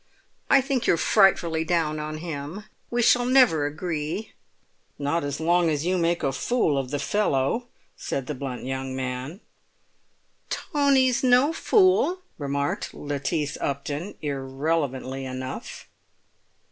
"I think you're frightfully down on him; we shall never agree." "Not as long as you make a fool of the fellow," said the blunt young man. "Tony's no fool," remarked Lettice Upton, irrelevantly enough.